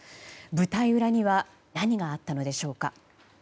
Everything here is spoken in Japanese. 舞台裏には何があったのでしょうか。